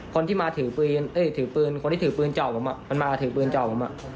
คนที่ถือปืนจอกผมมาถือปืนจอกผม